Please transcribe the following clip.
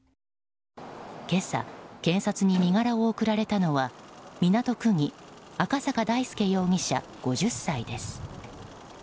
今朝、検察に身柄を送られたのは港区議、赤坂大輔容疑者５０歳です。